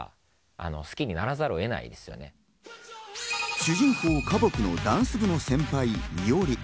主人公・花木のダンス部の先輩・伊折。